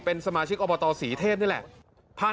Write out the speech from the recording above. เป็นสมาชิกอบตศรีเทพนี่แหละ